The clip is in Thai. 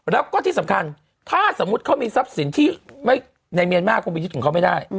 แล้วก็ที่สำคัญถ้าสมมุติเขามีทรัพย์สินที่ในเมียนมากคงไปยึดของเขาไม่ได้